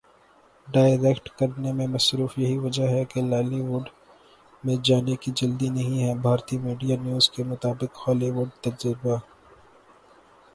direct کرنے میں مصروف یہی وجہ ہے کہ لالی ووڈ میں جانے کی جلدی نہیں ہے بھارتی میڈیا نیوز کے مطابق ہالی ووڈ تجربہ